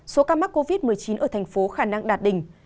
số ca mắc covid một mươi chín ở thành phố khả năng đạt đỉnh